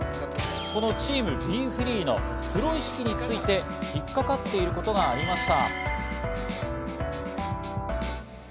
このチームＢｅＦｒｅｅのプロ意識について引っかかっていることがありました。